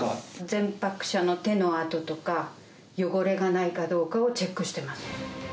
前泊者の手の跡とか、汚れがないかどうかをチェックしてます。